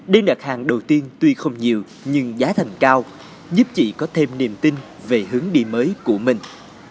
đây đặt hàng đầu tiên tuy không nhiều nhưng giá thành cao giúp chị có thêm niềm tin về hướng đi mới của mình